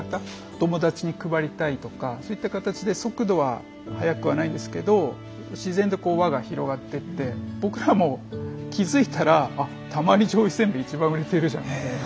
友達に配りたいとかそういった形で速度は速くはないんですけど自然と輪が広がってって僕らも気付いたらたまり醤油せんべい一番売れてるじゃんみたいな。